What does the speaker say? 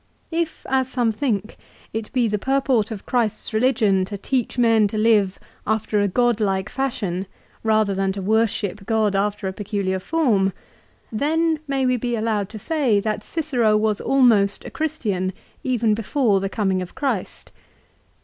If, as some think, it be the purport of Christ's religion to teach men to live after a godlike fashion rather than to worship God after a peculiar form, then may we be allowed say that Cicero was almost a Christian, even before the coming of Christ.